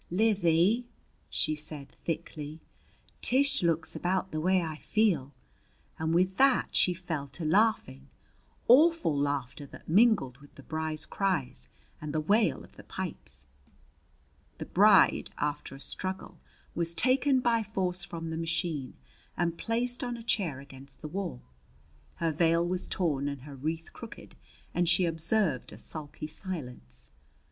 "Lizzhie," she said thickly, "Tish looks about the way I feel." And with that she fell to laughing awful laughter that mingled with the bride's cries and the wail of the pipes. The bride, after a struggle, was taken by force from the machine and placed on a chair against the wall. Her veil was torn and her wreath crooked, and she observed a sulky silence.